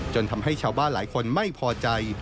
ทำให้ชาวบ้านหลายคนไม่พอใจ